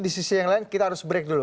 di sisi yang lain kita harus break dulu